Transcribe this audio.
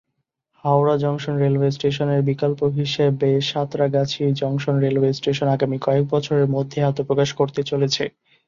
Howrah junction railway station এর বিকল্প হিসেবে সাঁতরাগাছি জংশন রেলওয়ে স্টেশন আগামী কয়েক বছরের মধ্যেই আত্মপ্রকাশ করতে চলেছে।